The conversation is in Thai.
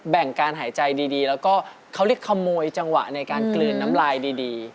แบ่งการหายใจดีแล้วก็เขาเรียกขโมยจังหวะในการกลืนน้ำลายดี